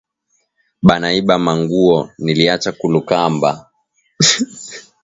Bana iba ma nguwo niliacha kulu kamba